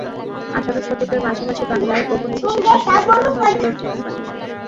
আঠারো শতকের মাঝামাঝি বাংলায় ঔপনিবেশিক শাসনের সূচনা হয়েছিল একটি কোম্পানির হাতে।